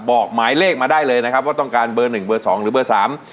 บอกหมายเลขมาได้เลยนะครับว่าต้องการเบอร์หนึ่งเบอร์สองหรือเบอร์สาม